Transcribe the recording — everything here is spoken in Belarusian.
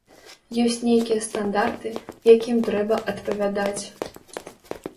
Ёсць нейкія стандарты, якім трэба адпавядаць.